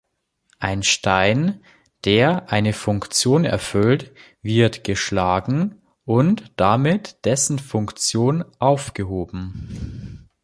Ein Stein, der eine Funktion erfüllt, wird geschlagen und damit dessen Funktion aufgehoben.